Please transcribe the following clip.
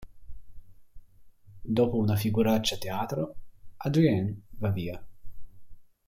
Dopo una figuraccia a teatro Adrien va via.